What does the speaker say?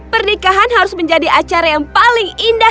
pernikahan harus menjadi acara yang paling indah